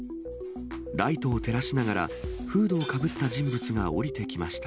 ライトを照らしながら、フードをかぶった人物が下りてきました。